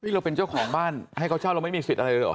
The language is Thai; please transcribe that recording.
เราเป็นเจ้าของบ้านให้เขาเช่าเราไม่มีสิทธิ์อะไรเลยเหรอ